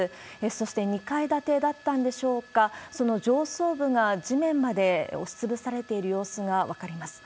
そして、２階建てだったんでしょうか、その上層部が地面まで押しつぶされている様子が分かります。